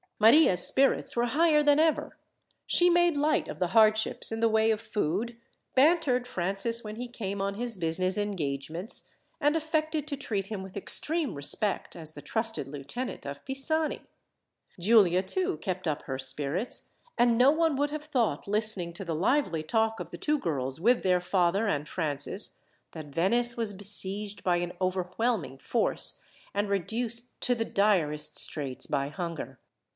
Maria's spirits were higher than ever. She made light of the hardships in the way of food, bantered Francis when he came on his business engagements, and affected to treat him with extreme respect, as the trusted lieutenant of Pisani. Giulia, too, kept up her spirits, and no one would have thought, listening to the lively talk of the two girls with their father and Francis, that Venice was besieged by an overwhelming force, and reduced to the direst straits by hunger.